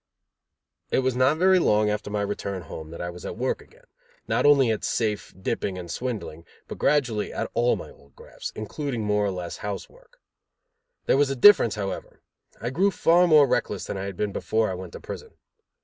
It was not very long after my return home that I was at work again, not only at safe dipping and swindling, but gradually at all my old grafts, including more or less house work. There was a difference, however. I grew far more reckless than I had been before I went to prison.